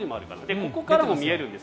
ここからも見えるんです。